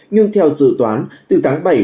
nhưng theo dự toán từ tháng bảy